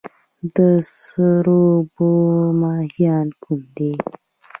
د سړو اوبو ماهیان کوم دي؟